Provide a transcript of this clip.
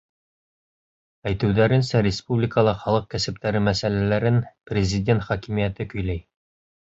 — Әйтеүҙәренсә, республикала халыҡ кәсептәре мәсьәләләрен Президент Хакимиәте көйләй.